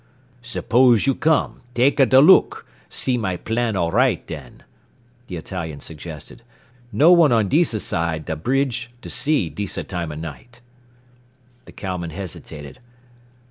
"Suppose you come, taka da look, see my plan all aright, den," the Italian suggested. "No one on disa side da bridge, to see, disa time night." The cowman hesitated.